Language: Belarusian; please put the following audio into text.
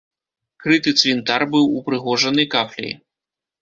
Крыты цвінтар быў упрыгожаны кафляй.